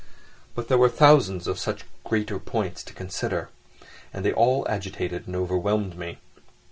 But there were thousands of such great points to consider, and they all agitated and overwhelmed me.